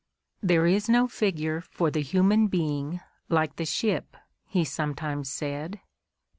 ) There is no figure for the human being like the ship^he sometimes said.